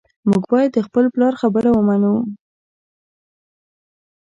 موږ باید د خپل پلار خبره ومنو